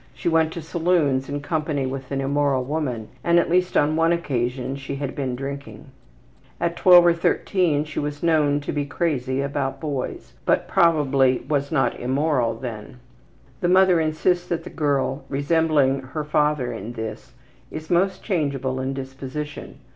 She went to saloons in company with an immoral woman, and at least on one occasion she had been drinking. At 12 or 13 she was known to be ``crazy about boys,'' but probably was not immoral then. The mother insists that the girl, resembling her father in this, is most changeable in disposition.